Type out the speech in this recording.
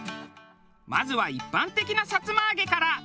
まずは一般的なさつま揚げから。